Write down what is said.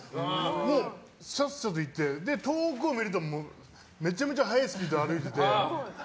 もうさっさと行って遠くを見ると、めちゃめちゃ速いスピードで歩いていて。